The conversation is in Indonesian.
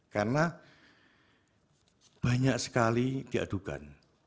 karena banyak sekali diadukan